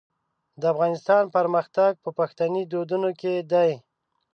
د افغانستان پرمختګ په پښتني دودونو کې دی.